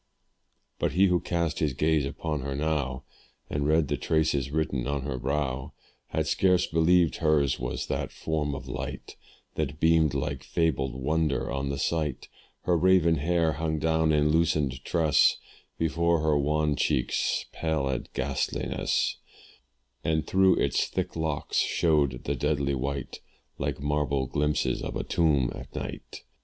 But he who cast his gaze upon her now, And read the traces written on her brow, Had scarce believed hers was that form of light That beamed like fabled wonder on the sight; Her raven hair hung down in loosen'd tress Before her wan cheek's pallid ghastliness; And, thro' its thick locks, showed the deadly white, Like marble glimpses of a tomb, at night.